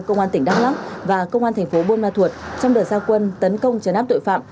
công an tỉnh đắk lắc và công an thành phố buôn ma thuột trong đợt giao quân tấn công trấn áp tội phạm